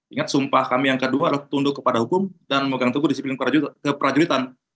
ingat sumpah kami yang kedua adalah tunduk kepada hukum dan memegang teguh disiplin ke prajuritan